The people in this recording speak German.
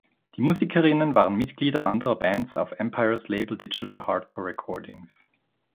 Die Musikerinnen waren Mitglieder anderer Bands auf Empires Label Digital Hardcore Recordings.